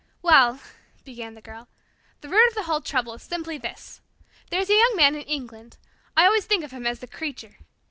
"Well," began the Girl, "the root of the whole trouble is simply this. There is a young man in England. I always think of him as the Creature.